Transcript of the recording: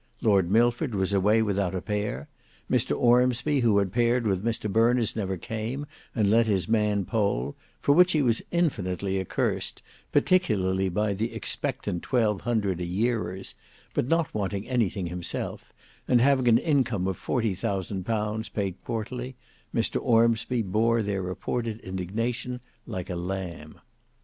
Lord Milford was away without a pair. Mr Ormsby, who had paired with Mr Berners, never came, and let his man poll; for which he was infinitely accursed, particularly by the expectant twelve hundred a yearers, but not wanting anything himself, and having an income of forty thousand pounds paid quarterly, Mr Ormsby bore their reported indignation like a lamb.